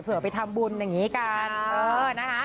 ไปทำบุญอย่างนี้กัน